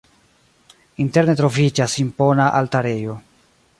Interne troviĝas impona altarejo.